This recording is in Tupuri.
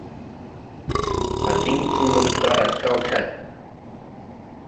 À diŋ coore garà sawcày.